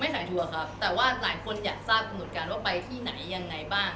สายทัวร์ครับแต่ว่าหลายคนอยากทราบเหมือนกันว่าไปที่ไหนยังไงบ้าง